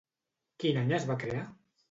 Quin any es va crear?